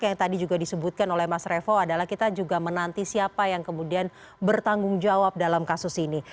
yang tadi juga disebutkan oleh mas revo adalah kita juga menanti siapa yang kemudian bertanggung jawab dalam kasus ini